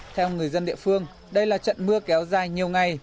theo người dân địa phương đây là trận mưa kéo dài nhiều ngày